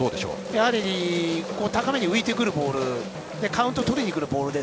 やはり高めに浮いてくるボールカウントをとりにくるボール。